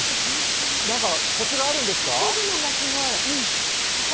何かコツがあるんですか？